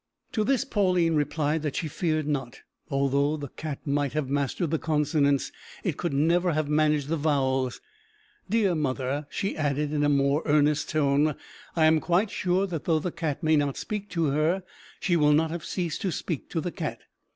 To this Pauline replied that she feared not; that, although the cat might have mastered the consonants, it could never have managed the vowels. "Dear mother," she added, in a more earnest tone, "I am quite sure that though the cat may not speak to her, she will not have ceased to speak to the cat.